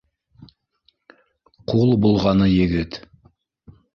Ҡул болғаны егет: